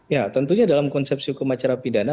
ya tentunya dalam konsepsi hukum acara pidana